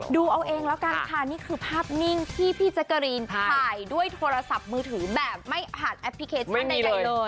ดูเอาเองแล้วกันค่ะนี่คือภาพนิ่งที่พี่แจ๊กกะรีนถ่ายด้วยโทรศัพท์มือถือแบบไม่อ่านแอปพลิเคชันใดเลย